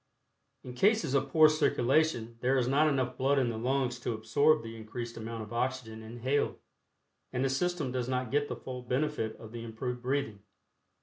In cases of poor circulation there is not enough blood in the lungs to absorb the increased amount of oxygen inhaled, and the system does not get the full benefit of the improved breathing.